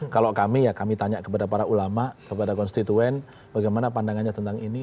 kalau kami ya kami tanya kepada para ulama kepada konstituen bagaimana pandangannya tentang ini